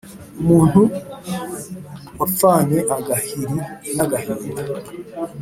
umuntu wapfanye agahiri n’agahinda,